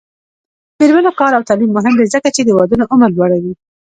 د میرمنو کار او تعلیم مهم دی ځکه چې ودونو عمر لوړوي.